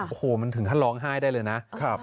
โอ้โหมันถึงขั้นร้องไห้ได้เลยนะ